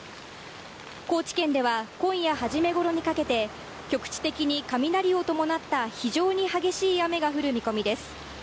高知県では今夜初めごろにかけて局地的に雷を伴った非常に激しい雨が降る見込みです。